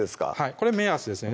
これ目安ですね